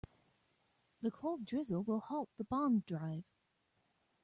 The cold drizzle will halt the bond drive.